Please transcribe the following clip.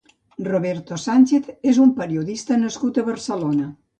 Roberto Sánchez és un periodista nascut a Barcelona.